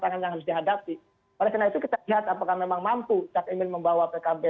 tantangan yang harus dihadapi pada saat itu kita lihat apakah memang mampu tak ingin membawa pkb